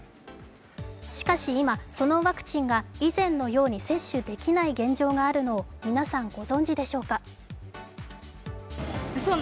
しかし今、そのワクチンが以前のように接種できない現状があるのを、皆さんご存じでしょうか。